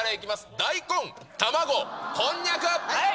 大根、卵、こんにゃく。